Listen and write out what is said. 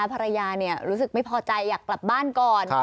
ภรรยารู้สึกไม่พอใจอยากกลับบ้านก่อน